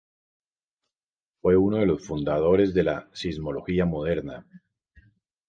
Fue uno de los fundadores de la sismología moderna.